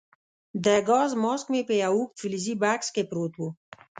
د ګاز ماسک مې په یو اوږد فلزي بکس کې پروت وو.